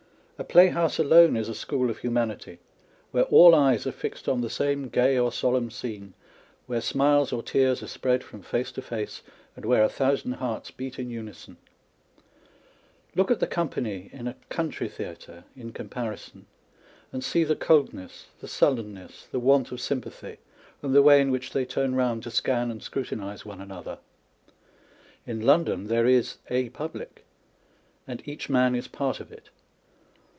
A playhouse alone is a school of humanity, where all eyes are fixed on the same gay or solemn scene, where smiles or tears are spread from face to face, and where a thousand hearts beat in unison ! Look at the company in a country theatre (in comparison) and see the coldness, the sullenness, the want of sympathy, and the way in which they turn round to scan and scrutinise one another. In London there is a public ; and each man is part of it.